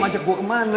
lu ngajak gua kemana